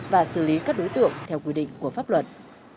và xử lý các đối tượng theo quy định của pháp luật